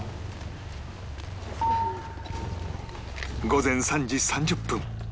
午前３時３０分